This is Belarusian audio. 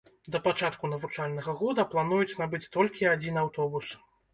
Да пачатку навучальнага года плануюць набыць толькі адзін аўтобус.